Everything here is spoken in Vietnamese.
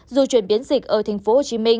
dù chuyển biến dịch ở tp hcm